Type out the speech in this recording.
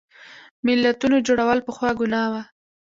ملتونو جوړول پخوا ګناه وه.